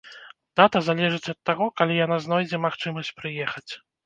Дата залежыць ад таго, калі яна знойдзе магчымасць прыехаць.